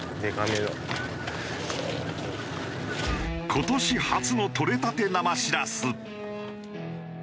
今年初のとれたて生しらす。